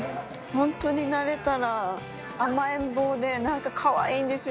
本当になれたら、甘えん坊でなんかかわいいんですよ。